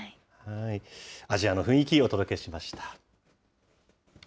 アジアの雰囲気、お届けしました。